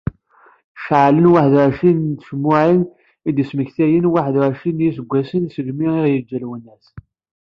Ceɛlen waḥed u εecrin n tcemmuɛin i d-yesmektayen waḥed u εecrin n yiseggasen segmi i aɣ-yeǧǧa Lwennas.